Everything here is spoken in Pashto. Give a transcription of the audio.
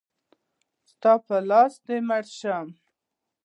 ستا په لاس دی مړ شم.